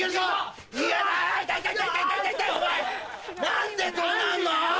何でそうなんの！